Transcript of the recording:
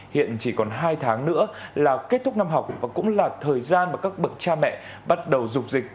hiện chỉ còn hai tháng nữa là kết thúc năm học và cũng là thời gian mà các bậc cha mẹ bắt đầu dục dịch